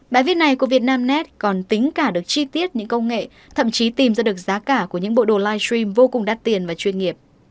bài viết này của vietnamnet còn tính cả được chi tiết những công nghệ thậm chí tìm ra được giá cả của những bộ đồ live stream vô cùng đắt tiền và chuyên nghiệp